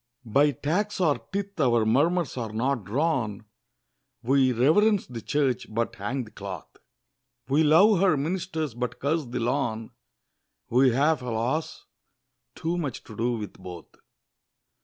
By Tax or Tithe our murmurs are not drawn; We reverence the Church but hang the cloth! We love her ministers but curse the lawn! We have, alas! too much to do with both!